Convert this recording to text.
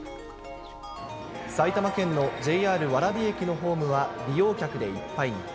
埼玉県のＪＲ蕨駅のホームは利用客でいっぱいに。